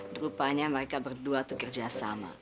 nah rupanya mereka berdua tuh kerjasama